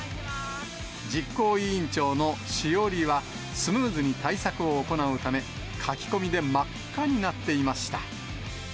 実行委員長のしおりは、スムーズに対策を行うため、書き込みで真っ赤になっていました。